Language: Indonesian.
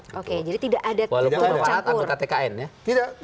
oke jadi tidak ada